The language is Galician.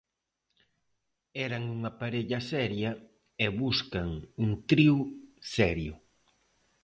Eran unha parella seria e buscan un trío serio.